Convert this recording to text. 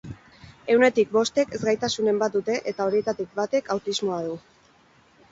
Ehunetik bostek ezgaitasunen bat dute eta horietatik batek autismoa du.